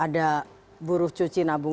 ada buruh cuci nabung